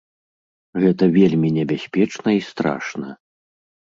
Гэта вельмі небяспечна і страшна.